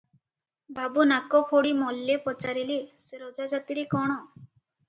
ବାବୁ ନାକଫୋଡି ମଲ୍ଲେ ପଚାରିଲେ-ସେ ରଜା ଜାତିରେ କଣ?